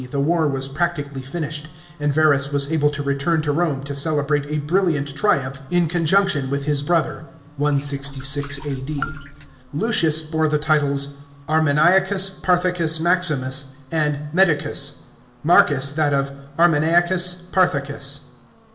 the war was practically finished, and Verus was able to return to Rome to celebrate a brilliant triumph, in conjunction with his brother (166 A.D.). Lucius bore the titles Armeniacus P'irthicus MaximuK, and Medicus ; Marcus that of Armeniacus Parthicus.